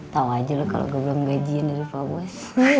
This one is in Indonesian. tau aja lo kalo gue belum ngajin dari pabos